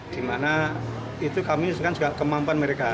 dimana itu kami kan juga kemampuan mereka